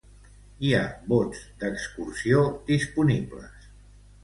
Hi ha bots d'excursió disponibles.